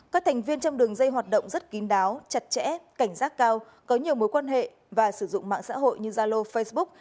các thành viên trong đường dây hoạt động rất kín đáo chặt chẽ cảnh giác cao có nhiều mối quan hệ và sử dụng mạng xã hội như zalo facebook